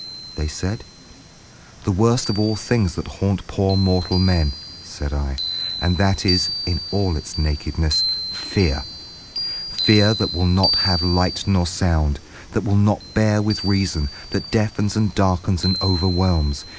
they said. "The worst of all the things that haunt poor mortal men," said I; "and that is, in all its nakedness—'Fear!' Fear that will not have light nor sound, that will not bear with reason, that deafens and darkens and overwhelms.